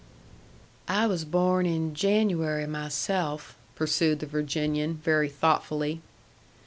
"I was born in January myself," pursued the Virginian, very thoughtfully.